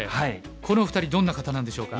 この２人どんな方なんでしょうか？